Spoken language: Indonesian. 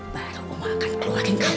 baru oma akan keluakin kamu